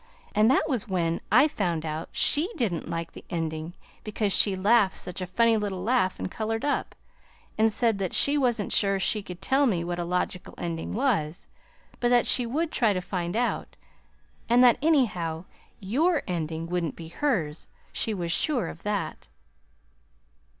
and that was when I found out she did n't like the ending, because she laughed such a funny little laugh and colored up, and said that she wasn't sure she could tell me what a logical ending was, but that she would try to find out, and that, anyhow, YOUR ending wouldn't be hers she was sure of that."